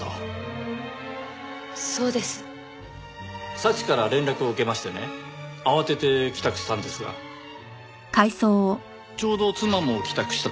祥から連絡を受けましてね慌てて帰宅したんですがちょうど妻も帰宅したところで。